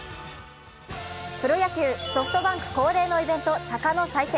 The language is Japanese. プロ野球、ソフトバンク恒例のイベント鷹の祭典。